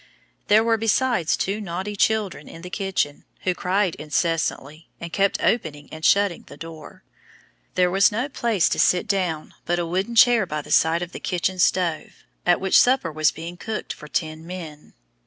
There were besides two naughty children in the kitchen, who cried incessantly, and kept opening and shutting the door. There was no place to sit down but a wooden chair by the side of the kitchen stove, at which supper was being cooked for ten men.